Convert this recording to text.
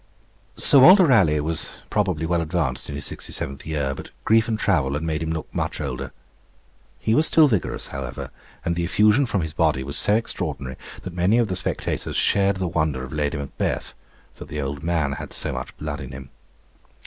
Sir Walter Raleigh was probably well advanced in his sixty seventh year, but grief and travel had made him look much older. He was still vigorous, however, and the effusion from his body was so extraordinary, that many of the spectators shared the wonder of Lady Macbeth, that the old man had so much blood in him.